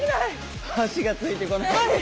足がついてこない。